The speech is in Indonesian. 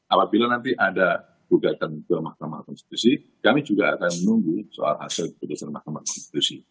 apabila nanti ada gugatan ke mahkamah konstitusi kami juga akan menunggu soal hasil keputusan mahkamah konstitusi